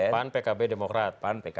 pan pkb demokrat